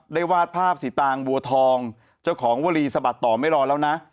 วาดภาพสีตางบัวทองเจ้าของวลีสะบัดต่อไม่รอแล้วนะ